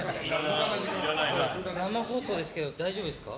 生放送ですけど大丈夫ですか？